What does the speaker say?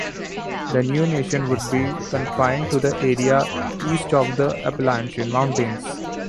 The new nation would be confined to the area east of the Appalachian Mountains.